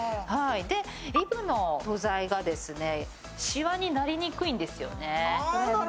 リブの素材がしわになりにくいんですよね。